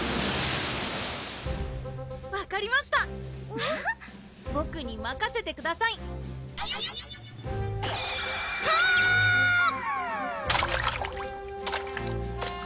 分かりましたボクにまかせてくださいトゥ！